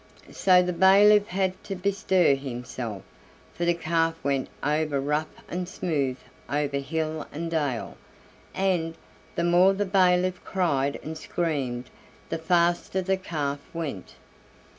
So the bailiff had to bestir himself, for the calf went over rough and smooth, over hill and dale, and, the more the bailiff cried and screamed, the faster the calf went.